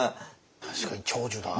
確かに長寿だ。